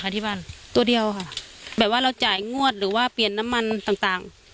ที่บ้านตัวเดียวค่ะแบบว่าเราจ่ายงวดหรือว่าเปลี่ยนน้ำมันต่างต่าง